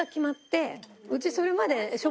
うちそれまで。